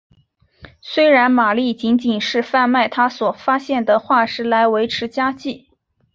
虽然玛丽仅仅是贩卖她所发现的化石来维持家计。